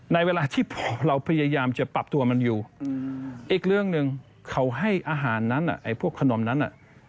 ในเวลาที่พอเราพยายามจะปรับตัวมันอยู่อีกเรื่องหนึ่งเขาให้อาหารนั้นไอ้พวกขนมนั้น